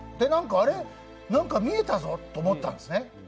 あれ何か見えたぞ？と思ったんですね。